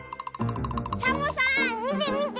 サボさんみてみて！